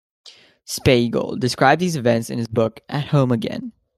Spiegel described these events in his book At home again?